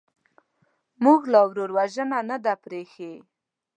موږ لا ورور وژنه نه ده پرېښې.